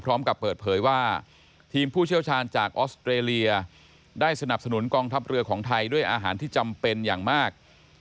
พร้อมกับเปิดเผยว่าทีมผู้เชี่ยวชาญจากออสเตรเลียได้สนับสนุนกองทัพเรือของไทยด้วยอาหารที่จำเป็นอย่างมาก